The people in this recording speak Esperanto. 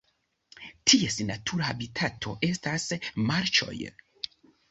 Ties natura habitato estas marĉoj.